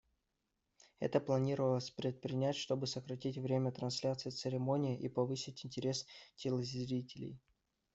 Это планировалось предпринять, чтобы сократить время трансляции церемонии и повысить интерес телезрителей.